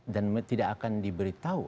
dan tidak akan diberitahu